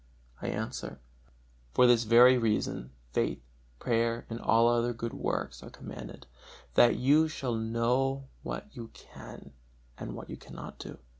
I answer: For this very reason faith, prayer and all other good works are commanded, that you shall know what you can and what you cannot do.